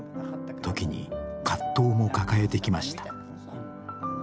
時に葛藤も抱えてきました。